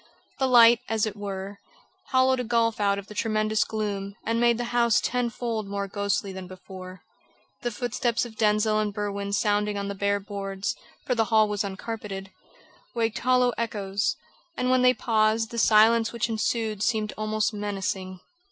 The light, as it were, hollowed a gulf out of the tremendous gloom and made the house tenfold more ghostly than before. The footsteps of Denzil and Berwin sounding on the bare boards for the hall was uncarpeted waked hollow echoes, and when they paused the silence which ensued seemed almost menacing.